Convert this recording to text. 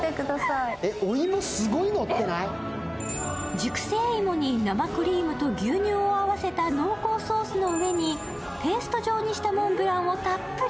熟成芋に生クリームと牛乳を合わせた濃厚ソースの上に、ペースト状にしたモンブランをたっぷり。